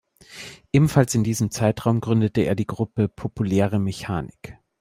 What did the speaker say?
Ebenfalls in diesem Zeitraum gründete er die Gruppe "Populäre Mechanik".